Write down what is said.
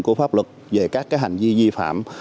của pháp luật về các hành vi di phạm